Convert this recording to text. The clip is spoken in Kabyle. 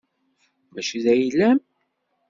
Mačči d ayla-m.